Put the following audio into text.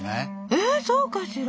ええそうかしら？